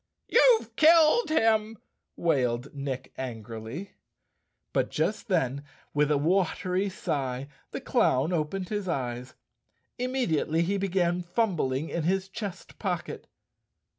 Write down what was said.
" You've killed him," wailed Nick angrily. But just then, with a watery sigh, the clown opened his eyes. Immediately he began fumbling in his chest pocket.